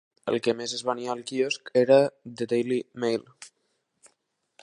El que més es venia al quiosc era The Daily Mail.